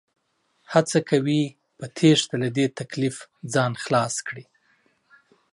هڅه کوي په تېښته له دې تکليف ځان خلاص کړي